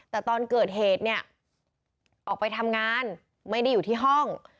แต่ตอนเกิดเหตุเนี่ยออกไปทำงานไม่ได้อยู่ที่ห้อง